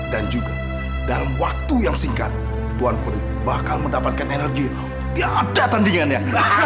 dan juga dalam waktu yang singkat tuhan peri bakal mendapatkan energi yang tiada tandingannya